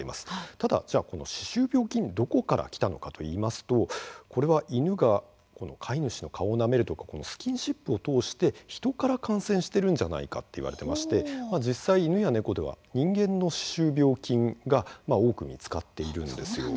ただ、じゃあこの歯周病菌どこから来たのかといいますとこれは犬が飼い主の顔をなめるとかスキンシップを通して人から感染しているんじゃないかっていわれていまして実際、犬や猫では人間の歯周病菌が多く見つかっているんです。